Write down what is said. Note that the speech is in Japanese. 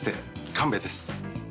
神戸です。